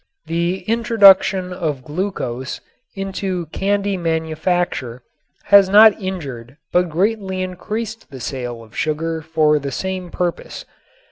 The introduction of glucose into candy manufacture has not injured but greatly increased the sale of sugar for the same purpose.